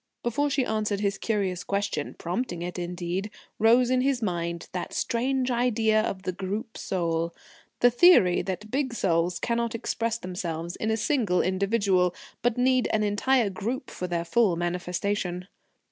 Before she answered his curious question prompting it indeed rose in his mind that strange idea of the Group Soul: the theory that big souls cannot express themselves in a single individual, but need an entire group for their full manifestation.